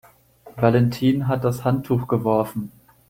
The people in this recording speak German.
Valentin hat das Handtuch geworfen.